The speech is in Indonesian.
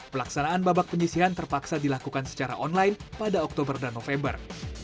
pelaksanaan babak penyisihan terpaksa dilakukan secara online pada oktober dan november